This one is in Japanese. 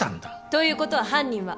ということは犯人は。